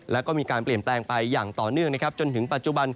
แล้วก็มีการเปลี่ยนแปลงไปอย่างต่อเนื่องนะครับจนถึงปัจจุบัน